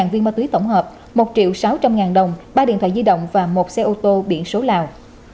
hai viên ma túy tổng hợp một sáu trăm linh đồng ba điện thoại di động và một xe ô tô biển số lào